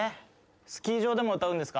スキー場でも歌うんですか？